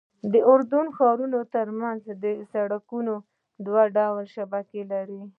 د اردن د ښارونو ترمنځ د سړکونو دوه ډوله شبکه ده.